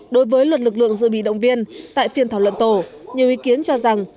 đối với luật lực lượng dự bị động viên tại phiên thảo luận tổ nhiều ý kiến cho rằng